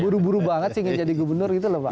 buru buru banget sih ingin jadi gubernur gitu loh pak